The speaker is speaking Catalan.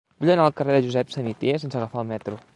Vull anar al carrer de Josep Samitier sense agafar el metro.